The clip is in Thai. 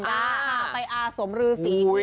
มาไปอาสมรือศรี